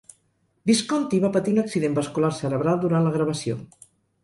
Visconti va patir un accident vascular cerebral durant la gravació.